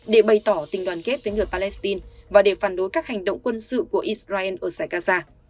để bày tỏ tình đoàn kết với người palestine và để phản đối các hành động quân sự của israel ở giải gaza